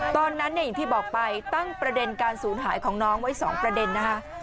ตอนนั้นเนี่ยอย่างที่บอกไปตั้งประเด็นการศูนย์หายของน้องไว้๒ประเด็นนะคะ